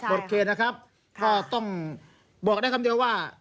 โอเคนะครับก็ต้องบอกได้คำเดียวว่า